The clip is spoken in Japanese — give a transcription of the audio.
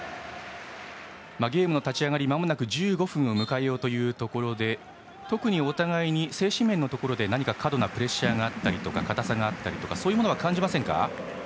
ゲームの立ち上がりまもなく１５分を迎えるところで特にお互いに精神面のところで何か過度なプレッシャーがあったり硬さがあったりとかそういうものは感じませんか？